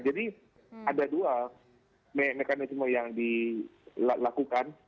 jadi ada dua mekanisme yang dilakukan